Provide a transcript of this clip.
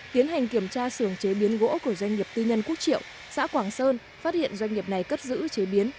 tiến hành kiểm tra sưởng chế biến gỗ của doanh nghiệp tư nhân quốc triệu xã quảng sơn phát hiện doanh nghiệp này cất giữ chế biến